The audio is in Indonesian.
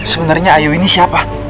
sebenernya ayuh ini siapa